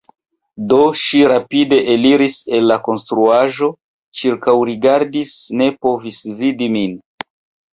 Do ŝi rapide eliris el la konstruaĵo, ĉirkaŭrigardis, ne povis vidi min.